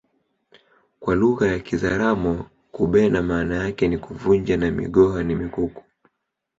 Kwa lugha ya kizaramo kubena maana yake ni kuvunja na migoha ni mikuku